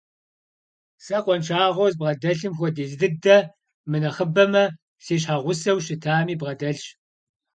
Сэ къуаншагъэу збгъэдэлъым хуэдиз дыдэ, мынэхъыбэмэ, си щхьэгъусэу щытами бгъэдэлъащ.